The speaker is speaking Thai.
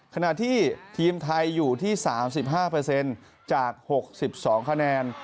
ขณะที่ทีมไทยอยู่ที่๓๕จาก๖๒คะแนน